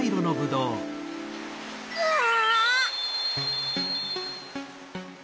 わあ！